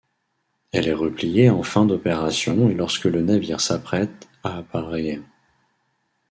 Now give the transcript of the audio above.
Elle est repliée en fin d'opération et lorsque le navire s'apprête à appareiller.